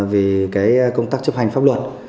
về cái công tác chấp hành pháp luật